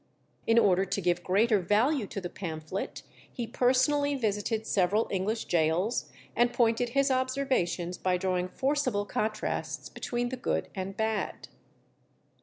In order to give greater value to the pamphlet, he personally visited several English gaols, and pointed his observations by drawing forcible contrasts between the good and bad.